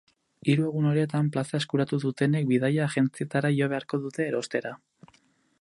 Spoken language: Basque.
Hiru egun horietan, plaza eskuratu dutenek bidaia-agentzietara jo beharko dute erostera.